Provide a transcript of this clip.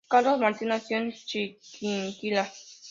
Carlos Martín nació en Chiquinquirá.